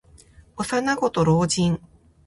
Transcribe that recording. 幼子と老人。